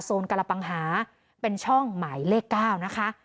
โซนกระปังหาเป็นช่องหมายเลขเก้านะคะ